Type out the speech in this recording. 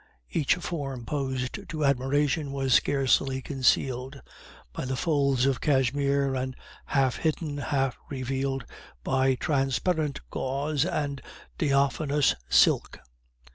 Each form posed to admiration was scarcely concealed by the folds of cashmere, and half hidden, half revealed by transparent gauze and diaphanous silk.